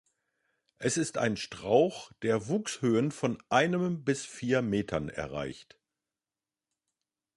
Es ist ein Strauch, der Wuchshöhen von einem bis vier Metern erreicht.